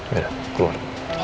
ya udah keluar